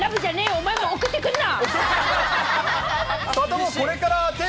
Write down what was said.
お前も送ってくんな！